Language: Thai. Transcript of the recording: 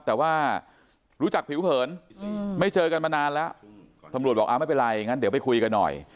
แต่ว่ารู้จักผิวเผินไม่เจอกันมานานแล้วตำรวจบอกไม่เป็นไรงั้นเดี๋ยวไปคุยกันหน่อย